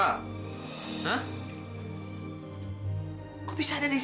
speaking teknik ar patents diations